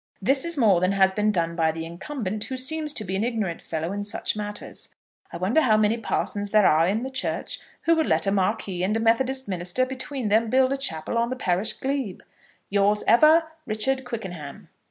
This is more than has been done by the incumbent, who seems to be an ignorant fellow in such matters. I wonder how many parsons there are in the Church who would let a Marquis and a Methodist minister between them build a chapel on the parish glebe? Yours ever, RICHARD QUICKENHAM.